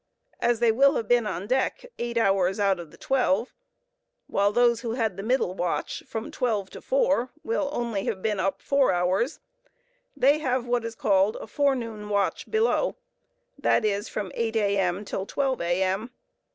As they will have been on deck eight hours out of the twelve, while those who had the middle watch—from twelve to four—will only have been up four hours, they have what is called a "forenoon watch below," that is, from eight A.M. till twelve M.